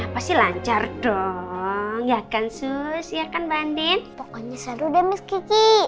pokoknya seru deh miss kiki